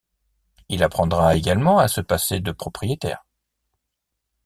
Il apprendra également à se passer de propriétaires.